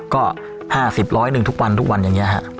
ก็๕๐๑๐๐หนึ่งทุกวันอย่างนี้ค่ะ